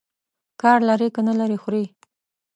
که لري، که نه لري، خوري.